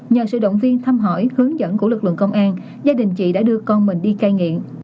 nhờ sự động viên thăm hỏi hướng dẫn của lực lượng công an gia đình chị đã đưa con mình đi cai nghiện